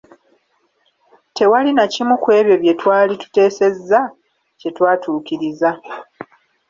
Tewali na kimu ku ebyo bye twali tuteesezza kye twatuukiriza.